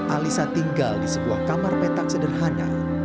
alisa tinggal di sebuah kamar petak sederhana